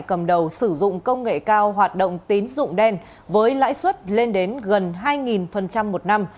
cầm đầu sử dụng công nghệ cao hoạt động tín dụng đen với lãi suất lên đến gần hai một năm